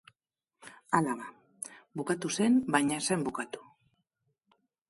Hala ba, bukatu zen baina ez zen bukatu.